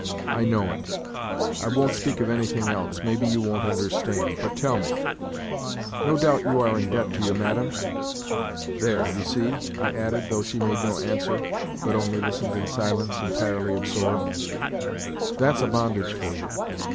I know it. I won't speak of anything else, maybe you won't understand, but tell me : no doubt you are in debt to your madam ? There, you see," I added, though she made no answer, but only listened in silence, entirely absorbed, " that's a bondage for you